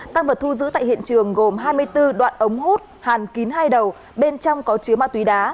tăng vật thu giữ tại hiện trường gồm hai mươi bốn đoạn ống hút hàn kín hai đầu bên trong có chứa ma túy đá